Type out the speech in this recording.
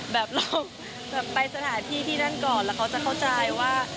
แบบเราไปสถานที่ที่นั่นก่อนแล้วเขาจะเข้าใจว่า